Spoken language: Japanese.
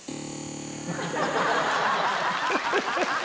ハハハハ！